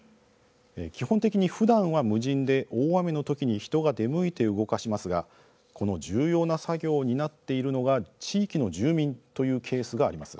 基本的にふだんは無人で大雨の時に人が出向いて動かしますがこの重要な作業を担っているのが地域の住民というケースがあります。